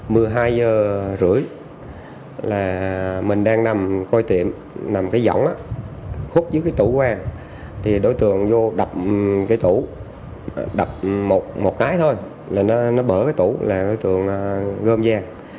khoảng một mươi hai giờ rưỡi mình đang nằm coi tiệm nằm cái giỏng khúc dưới cái tủ vàng thì đối tượng vô đập cái tủ đập một cái thôi là nó bỡ cái tủ là đối tượng gom giang